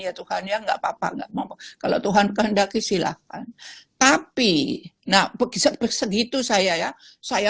ya tuhan ya nggak papa nggak mau kalau tuhan kehendaki silakan tapi nah begitu saya ya saya